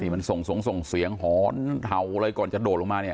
มันส่งสงส่งเสียงหอนเทาอะไรก่อนจะโดดลงมาเนี่ย